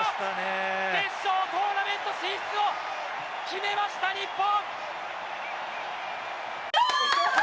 決勝トーナメント進出を決めました、日本！